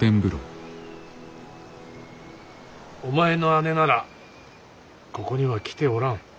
お前の姉ならここには来ておらん。